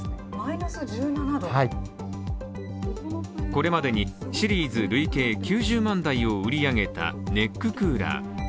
これまでにシリーズ累計９０万台を売り上げたネッククーラー。